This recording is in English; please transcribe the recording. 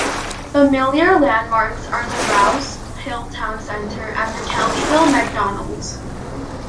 Familiar landmarks are the Rouse Hill Town Centre and the Kellyville McDonald's.